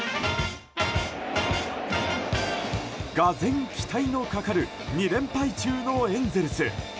俄然、期待のかかる２連敗中のエンゼルス。